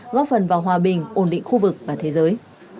góp phần vào hòa bình ổn định khu vực và thế giới